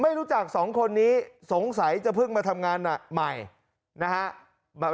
ไม่รู้จักสองคนนี้สงสัยจะเพิ่งมาทำงานใหม่นะฮะ